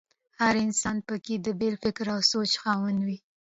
هر انسان په کې د بېل فکر او سوچ خاوند وي.